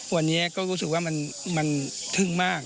วันนี้ก็รู้สึกว่ามันทึ่งมาก